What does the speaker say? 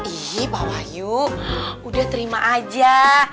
ini pak wahyu udah terima aja